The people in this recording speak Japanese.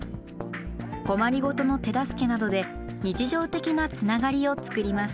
困り事の手助けなどで日常的なつながりを作ります。